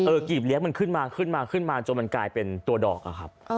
กรีบเลี้ยงมันขึ้นมาขึ้นมาขึ้นมาจนมันกลายเป็นตัวดอกอะครับ